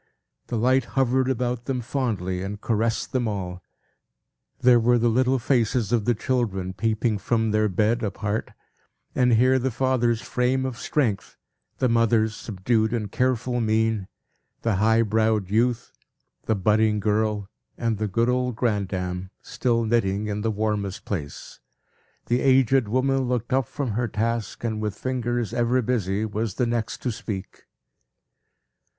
The light hovered about them fondly, and caressed them all. There were the little faces of the children, peeping from their bed apart, and here the father's frame of strength, the mother's subdued and careful mien, the high browed youth, the budding girl, and the good old grandam, still knitting in the warmest place. The aged woman looked up from her task, and, with fingers ever busy, was the next to speak.